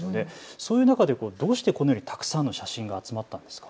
そういう中でどうしてこのようにたくさんの写真が集まったんですか。